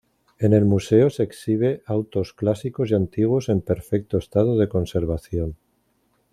En el museo se exhibe autos clásicos y antiguos en perfecto estado de conservación.